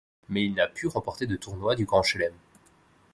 Mais il n'a pu remporter de tournoi du Grand Chelem.